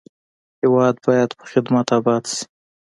هېواد باید په خدمت اباد شي.